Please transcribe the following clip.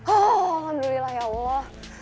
oh alhamdulillah ya allah